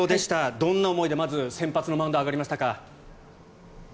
どんな思いでまず、先発のマウンドに上がりましたか？